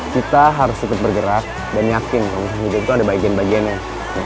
kita harus tetap bergerak dan yakin kalau hidup itu ada bagian bagiannya